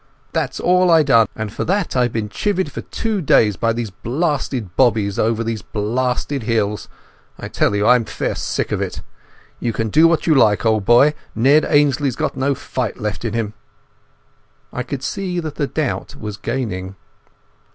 That's all I done, and for that I've been chivvied for two days by those blasted bobbies over those blasted hills. I tell you I'm fair sick of it. You can do what you like, old boy! Ned Ainslie's got no fight left in him." I could see that the doubt was gaining.